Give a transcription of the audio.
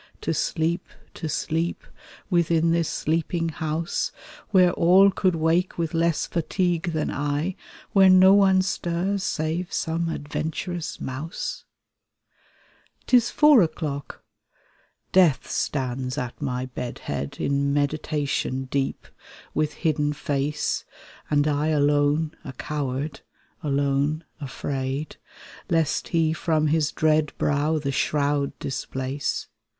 To sleep, to sleep, within this sleeping house. Where aU could wake with less fatigue than I, Where no one stirs save some adventurous mouse I THE SAD TEARS THE HOURS OF ILLNESS (Continued) 'Tis four o'clock ! Death stands at my bed head In meditation deep, with hidden face, And I alone — a coward — ^alone, afraid, Lest he from his dread brow the shroud displace.